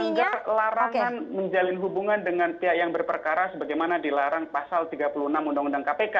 sehingga larangan menjalin hubungan dengan pihak yang berperkara sebagaimana dilarang pasal tiga puluh enam undang undang kpk